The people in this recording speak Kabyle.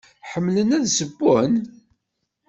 Ḥemmlen ad ssewwen?